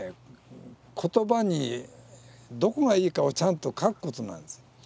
言葉にどこがいいかをちゃんと書くことなんです。